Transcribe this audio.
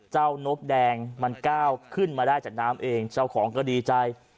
นกแดงมันก้าวขึ้นมาได้จากน้ำเองเจ้าของก็ดีใจ